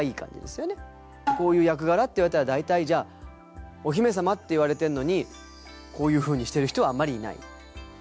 こういう役柄って言われたら大体じゃあお姫様って言われてるのにこういうふうにしてる人はあんまりいない。